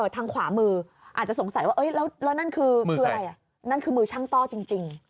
ทางขวามืออาจจะสงสัยว่าแล้วนั่นคือมือช่างต้อจริง